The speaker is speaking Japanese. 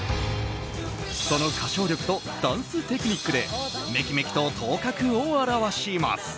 その歌唱力とダンステクニックでめきめきと頭角を現します。